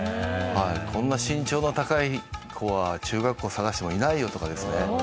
こんな身長の高い子は中学校探してもいないよとかですね。